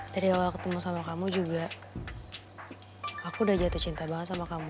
dari awal ketemu sama kamu juga aku udah jatuh cinta banget sama kamu